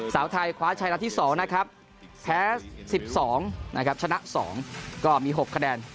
สาวไทยคว้าชัยนัดที่๒นะครับแพ้๑๒นะครับชนะ๒ก็มี๖คะแนน